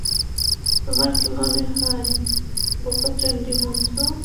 তোমার কি মনে হয়, বোকাচণ্ডী বন্ধু?